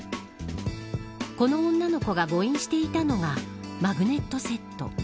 この女の子が誤飲していたのがマグネットセット。